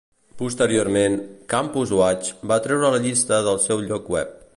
Posteriorment, Campus Watch va treure la llista del seu lloc web.